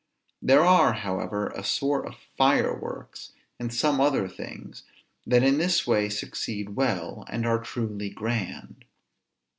There are, however, a sort of fireworks, and some other things, that in this way succeed well, and are truly grand.